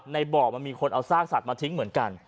ในบ่อมันมีคนเอาซากสัตว์มาทิ้งเหมือนกัน